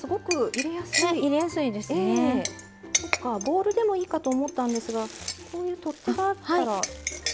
ボウルでもいいかと思ったんですがこういう取っ手があったら使いやすいですね。